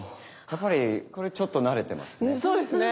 やっぱりこれちょっと慣れてますね。